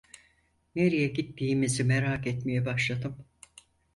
Nereye gittiğimizi merak etmeye başladım.